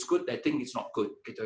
saya pikirkan itu tidak baik